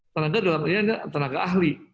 tenaga dalam ini adalah tenaga ahli